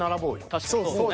確かにそうですね。